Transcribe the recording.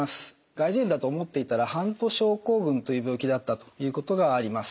外耳炎だと思っていたらハント症候群という病気であったということがあります。